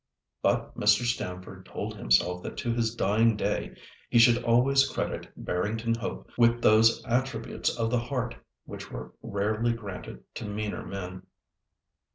But Mr. Stamford told himself that to his dying day he should always credit Barrington Hope with those attributes of the heart which were rarely granted to meaner men.